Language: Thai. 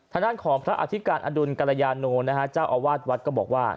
ถ้านั่นของพระอาธิกาณอดุลกรญานโนเจ้าอวรรณวัดก็บอกว่า